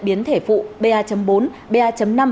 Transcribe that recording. biến thể phụ ba bốn ba năm